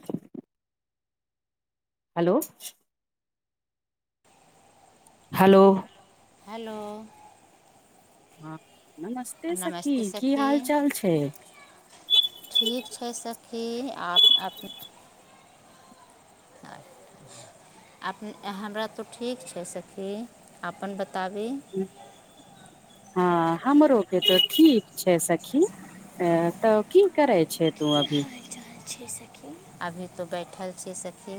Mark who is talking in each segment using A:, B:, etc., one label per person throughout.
A: अच्ा [unintelligible] hello hello
B: hello
A: हँ नमस्ते सखी की हाल चाल छै
B: ठीक छै सखी आ अपने आ हमरा तऽ ठीक छै सखी अपन बताबी
A: हँ हमरोक तो ठीक छै सखी तऽ की करै छै तू अभी
B: अभी तो बैठल छी सखी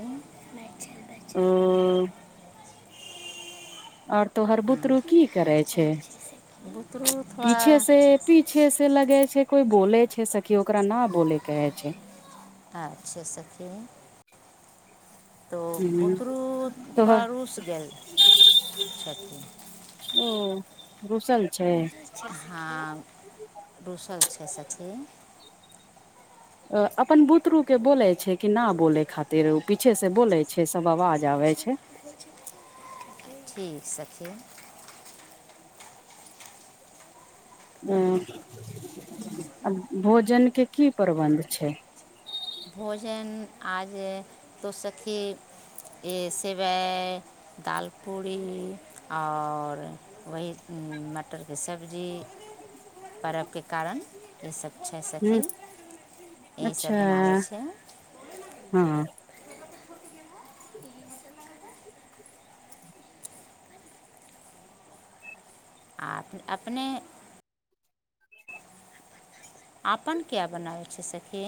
A: ह आओर तोहर
B: हँ
A: बुतरू की करे छै
B: बुतरू
A: पीछे
B: थोड़ा
A: से पीछे से लगे छै कोई बोले छै सखि ओकरा न बोलेकेे छै
B: अच्छा सखी तऽ
A: हूँ
B: बुतरू
A: तोहर
B: तथोड़ा रुस गेलल सची
A: ओ रुशल
B: हँ रूसल छै सखी
A: अपन बुतरूके बोलै छै कि ना बोलै खातिर ओ पीछेसँ बोलै छै सब आवाज आबै छै
B: [unintelligible] ठीक सखी
A: भोजन केँ की प्रबन्ध छैय
B: भोजन आजे तो सखी सेवइ दाल पूरी औरऽ वही मटरके सब्जी परर्वके कारण इ सब छै
A: ह
B: सखी इह सब बनाबै छै
A: हूँ
B: [inaudible] [inaudible] आ अपने आपन कय बनाबै छै सखी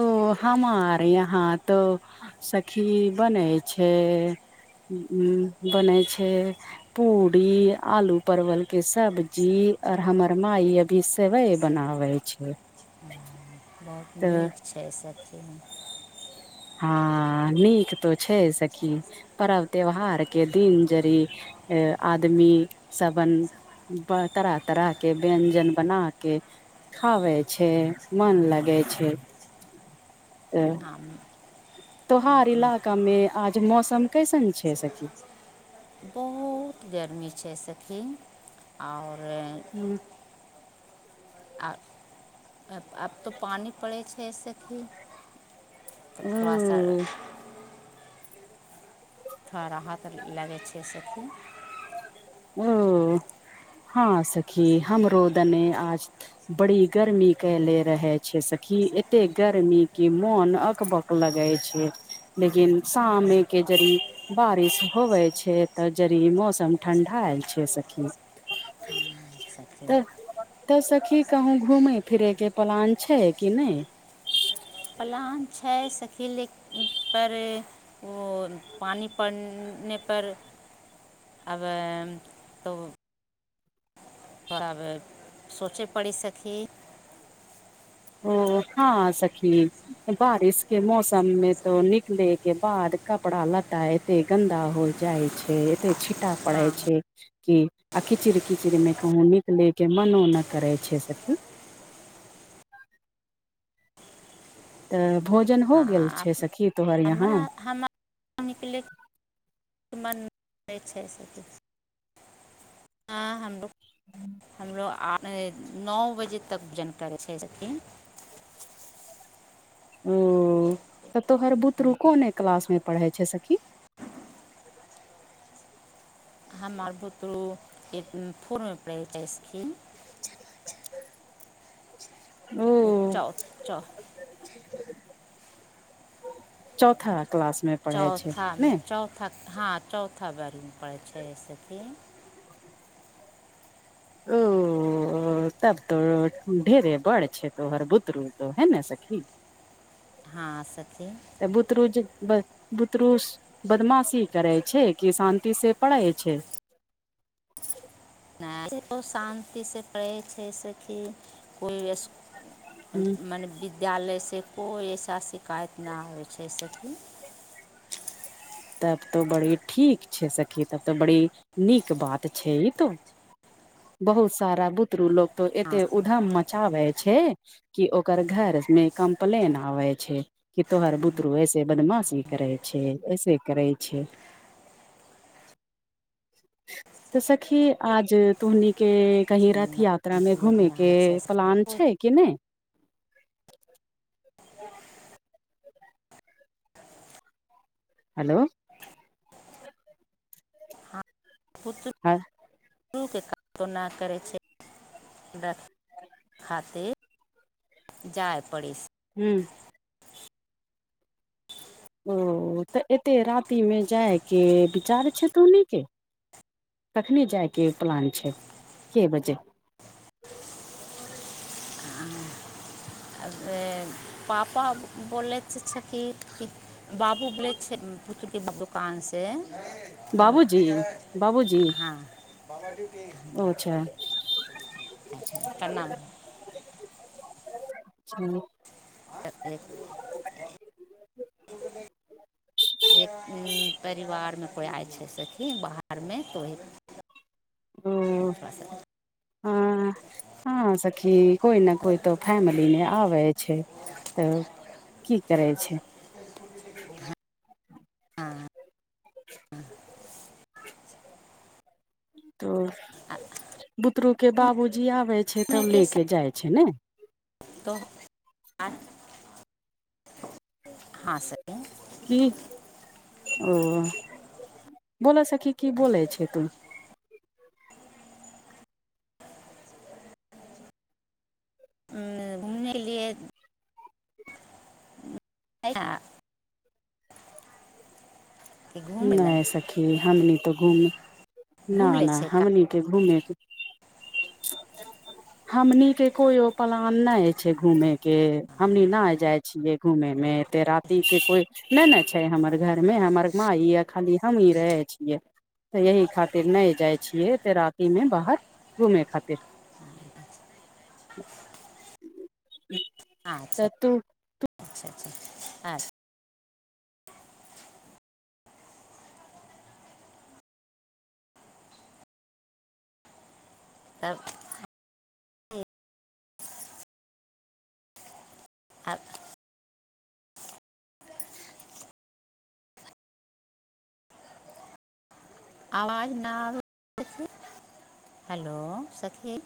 A: ओ हमार यहाँ तो सखी बनै छै उ उ बनै छै पूरी आलू परवल के सब्जी आर हमर माइ अ ईसेबैय बनाबै छै
B: बहुत
A: तऽ
B: नीक छै सखी
A: हँ नीक तो छै सखी परव त्यौहार के दिन जड़ि आ आदमी शबन तरह तरह के व्यञ्जन बना के खावे छै मन लगे छै
B: हम
A: तोहार
B: हम
A: इलाका मे आज मौसम कैसन छै सखी
B: बहुत गरमी छै सखी आ उऔर
A: हँ [unintelligible] [unintelligible]
B: आ आब तऽ पानि पड़ै छै सखी तऽ थोवा सा
A: ओ
B: थड़ा राहत लगै छै सखी
A: ओ हँ सखी हमरो दने आज बड़ी गर्मी कैले रहे छै सखी एते गर्मी के मोन अकबक लगै छै लेकिन शाममे एके जडी़ बारिश होवे छै तऽ जड़ी मौसम ठण्डा आय ल छै सखी
B: हँ सखी
A: तऽ तऽ सखी कहूँ घूमै फिरै के प्लान छै कि नहि
B: प्लान छै सखी लेकऽ पर ओ पानि पनेपर आब तब [unintelligible] [unintelligible] ब [unintelligible] सोचै पड़ि सखी
A: ओ हँ सखी बारिश के मौसम मे तो निकले के बाद कपड़ा लता एते गन्दा हो जाए छै एते छिटा पड़ै
B: हँ
A: छै कि आ किचिड़-किचिड़ मे कहूँ निकले के मनो न करै छै सखी तऽ भोजन हो
B: हँ
A: गेल छै
B: आब
A: सखी तोहर यहाँ
B: हमरा हमरिक ले मनै छै से किछु [inaudible] [unintelligible] हँ हमो हमरोग [unintelligible] नओ बजे तक जानकारी छै सखी [unintelligible]
A: ओ तऽ तोहर बुतरु कोन क्लास मे पढ़ै छै सखी
B: हमर बुतरु ए फोर मे पढै छै सखी
A: ह [unintelligible] [unintelligible]
B: च च [unintelligible] [unintelligible]
A: चौथा क्लासमे
B: चौथामे चौथा हँ चौथा बारीमे पड़ै छै सखी
A: ओ तब तो ढेरे बड़ छै तोहर बुतरू तो है ने सखी
B: हँ सखी
A: तऽ बुतरूज बुतरूस बदमाशी करै छै कि शान्ति से पड़ै छै
B: ब शान्ति से पड़ै छै कि कोइ
A: ह
B: [unintelligible] मने विद्यालयसँ कोइ ऐसा शिकायत ना आइ छै सकि
A: तब तो बड़ी ठीक छै सखी तब तऽ बड़ी नीक बात छै ई तो बहुत सारा बुतरू लोक एत
B: हँ
A: ऊधाम मचावै छै। कि ओकर घरमे कम्प्लेन आबै छै। कि तोहार बुतरू ऐसे बदमाशी करै छै। ऐसे करै छै। त सखी आज तुहनीके कही रथ यात्रामे
B: कम्प्लेन ना
A: घूमेके
B: आबै छै
A: प्लान छै, कि नहि। ह। हेलो।
B: पुत्त।
A: हँ।
B: शुरूके काजना करै छै। [unintelligible] खातिर जाय पड़ै छै
A: हूँ। ओ तऽ एते रातिमे जायके विचार छै तोहनी के कखनी जायके प्लान छै, के बजे
B: आ। पापा बोलै छै कि। बाबू बोलै छै, पुके दोकानसँ
A: बाबूजी बाबूजी
B: हँ।
A: ओ अच्छा
B: प्रणाम।
A: ठीक।
B: एतेक [unintelligible] एक परिवारमे कोइ आइ छै, सखी बाहरमे तऽ ओहि
A: ओ
B: छै [unintelligible]
A: हँ, हँ सखी कोइ ने कोइ तऽ फैमिलीमे आबै छै, तऽ की करै छै?
B: [unintelligible] हँ, हँ।
A: तऽ
B: आ
A: बुतरूके बाबूजी आबै छै, तब लेके जाइ छै, ने
B: त [unintelligible] हँ [unintelligible] सह
A: की ओ बोलऽ सखी, की बोलै छै तू?
B: घुमने लिए। अ।
A: नहि सखी हमनी तऽ घूम
B: घूम
A: न
B: लै छै
A: हमनी के घूमेके। ब। हमनके कोइो प्लान नहि छै, घूमेके हमनी न जाय छियै। घूमे एते रातिके कोई नहि ने छै हमर घरमे हमर माई यऽ खाली हमी रहै छियै। तऽ यही खातिर नहि जाइ छियै, तेराति मे बाहर घुमे खातिर
B: कहाँ अच्छा
A: तऽ तु
B: [unintelligible] अच्छा। तब। आब। आवाज नहि आबै, हेलो, सखी।